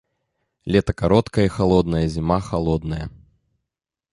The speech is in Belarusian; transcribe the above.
Лета кароткае і халоднае, зіма халодная.